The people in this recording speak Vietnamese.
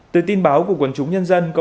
từ tin báo của quần chúng nhân dân